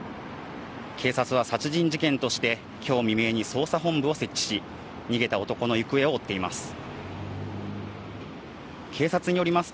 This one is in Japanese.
警察は殺人事件として、きょう未明に捜査本部を設置し、逃げた男の行方を追っています。